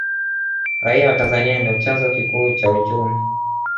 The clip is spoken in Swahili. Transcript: raia wa tanzania ndiyo chanzo kikuu cha uchumi